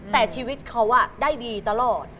แต่ชีวิตเขาได้ดีตลอด